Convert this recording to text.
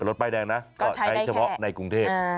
รถป้ายแดงนะก็ใช้เฉพาะในกรุงเทพ